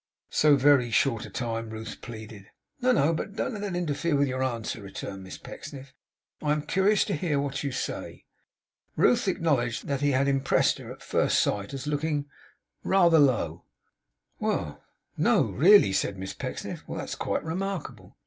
'So very short a time,' Ruth pleaded. 'No, no; but don't let that interfere with your answer,' returned Miss Pecksniff. 'I am curious to hear what you say.' Ruth acknowledged that he had impressed her at first sight as looking 'rather low.' 'No, really?' said Miss Pecksniff. 'Well! that is quite remarkable!